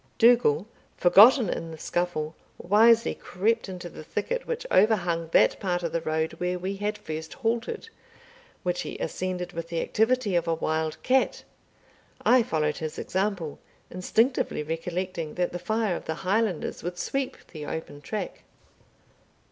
Dougal, forgotten in the scuffle, wisely crept into the thicket which overhung that part of the road where we had first halted, which he ascended with the activity of a wild cat. I followed his example, instinctively recollecting that the fire of the Highlanders would sweep the open track.